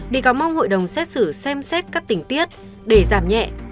bị cáo mong hội đồng xét xử xem xét các tình tiết để giảm nhẹ